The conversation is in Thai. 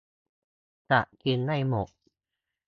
จับกินให้หมด